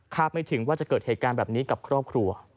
ไม่ถึงว่าจะเกิดเหตุการณ์แบบนี้กับครอบครัว